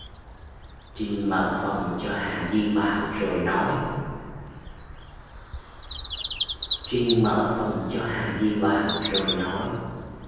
Trinh mở phòng cho Hà đi vào rồi nói